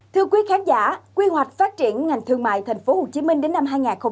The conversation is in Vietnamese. thưa quý khán giả quy hoạch phát triển ngành thương mại tp hcm đến năm hai nghìn ba mươi